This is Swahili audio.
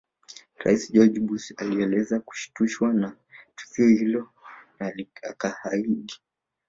Rais George Bush alieleza kushtushwa na tukio hilo na akaahidi